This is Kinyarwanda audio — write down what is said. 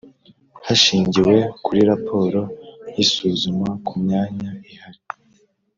hashingiwe kuri raporo y isuzuma ku myanya ihari